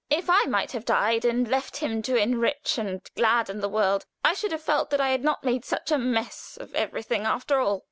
If I might have died and left him to enrich and gladden the world, I should have felt that I had not made such a mess of everything after all."